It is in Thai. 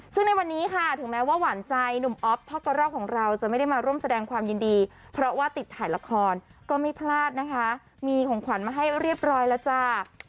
ซึ่งในวันนี้ค่ะถึงแม้ว่าหวานใจหนุ่มอ๊อฟพ่อกะรอกของเราจะไม่ได้มาร่วมแสดงความยินดีเพราะว่าติดถ่ายละครก็ไม่พลาดนะคะมีของขวัญมาให้เรียบร้อยแล้วจ้า